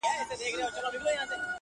خو هغه ليونۍ وايي،